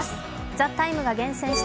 「ＴＨＥＴＩＭＥ，」が厳選した